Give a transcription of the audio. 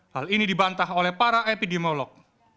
hal ini dibantah oleh para epidemiolog